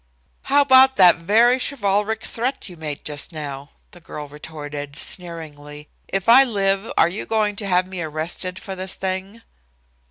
"How about that very chivalric threat you made just now," the girl retorted, sneeringly. "If I live, are you going to have me arrested for this thing?"